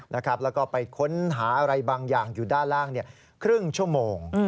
แล้วก็ไปค้นหาอะไรบางอย่างอยู่ด้านล่างครึ่งชั่วโมง